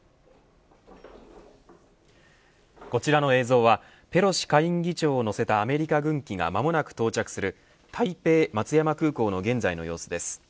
こちらの映像はペロシ下院議長を乗せたアメリカ軍機が間もなく到着する台北松山空港の現在の様子です。